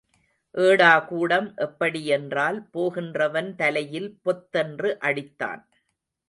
ஏடாகூடம் எப்படி என்றால் போகின்றவன் தலையில் பொத்தென்று அடித்தான்.